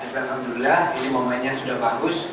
alhamdulillah ini momennya sudah bagus